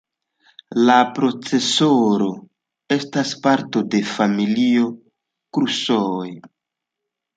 La procesoro estas parto de familio Crusoe.